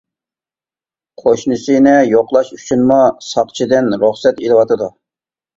قوشنىسىنى يوقلاش ئۈچۈنمۇ ساقچىدىن رۇخسەت ئېلىۋاتىدۇ.